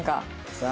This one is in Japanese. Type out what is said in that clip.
さあ。